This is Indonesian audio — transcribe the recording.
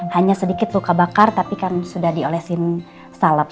hanya sedikit luka bakar tapi kan sudah diolesin salep